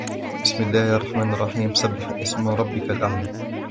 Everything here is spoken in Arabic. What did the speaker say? بسم الله الرحمن الرحيم سبح اسم ربك الأعلى